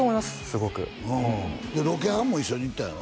すごくうんロケハンも一緒に行ったんやろ？